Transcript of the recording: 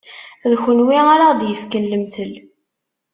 D kunwi ara ɣ-d-yefken lemtel.